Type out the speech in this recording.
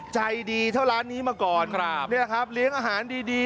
ใจดีเท่าร้านนี้มาก่อนครับนี่แหละครับเลี้ยงอาหารดีดี